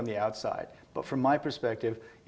tapi dari perspektif saya